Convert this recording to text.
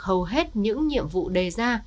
hầu hết những nhiệm vụ đề ra